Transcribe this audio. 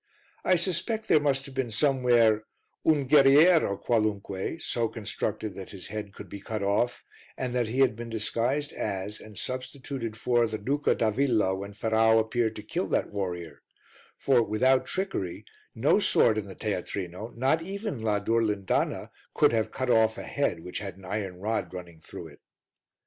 I suspect there must have been somewhere "un guerriero qualunque" so constructed that his head could be cut off, and that he had been disguised as and substituted for the Duca d'Avilla when Ferrau appeared to kill that warrior, for, without trickery, no sword in the teatrino, not even la Durlindana, could have cut off a head which had an iron rod running through it.